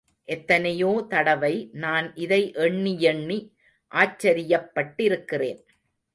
எத்தனையோ தடவை நான் இதை எண்ணியெண்ணி ஆச்சரியப்பட்டிருக்கிறேன்.